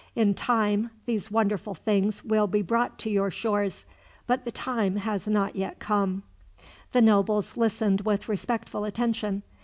In time these wonderful things will be brought to your shores, but the time has not come yet." The nobles listened with respectful attention.